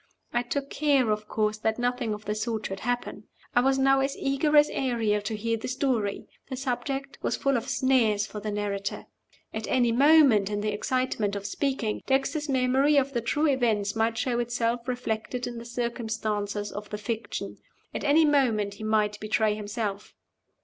I took care, of course, that nothing of the sort should happen. I was now as eager as Ariel to hear the story. The subject was full of snares for the narrator. At any moment, in the excitement of speaking, Dexter's memory of the true events might show itself reflected in the circumstances of the fiction. At any moment he might betray himself.